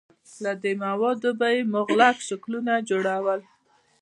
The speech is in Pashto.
له دې موادو به یې مغلق شکلونه جوړول.